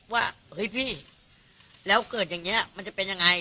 ว่าเฮ้ยพี่แล้วเกิดอย่างนี้มันจะเป็นยังไง